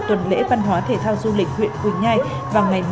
tuần lễ văn hóa thể thao du lịch huyện quỳnh nhai vào ngày một tháng hai